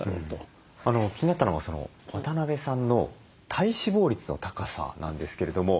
気になったのが渡邊さんの体脂肪率の高さなんですけれども。